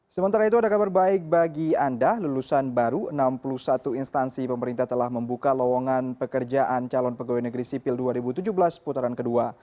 sementara itu ada kabar baik bagi anda lulusan baru enam puluh satu instansi pemerintah telah membuka lowongan pekerjaan calon pegawai negeri sipil dua ribu tujuh belas putaran kedua